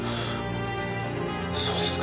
そうですか。